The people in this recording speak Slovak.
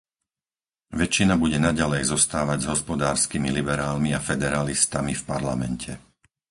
Väčšina bude naďalej zostávať s hospodárskymi liberálmi a federalistami v Parlamente.